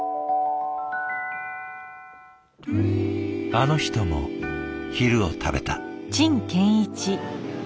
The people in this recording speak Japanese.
あの人も昼を食べた。